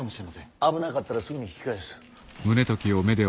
危なかったらすぐに引き返す。